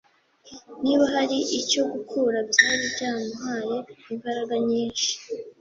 niba hari icyo, gukura byari byamuhaye imbaraga nyinshi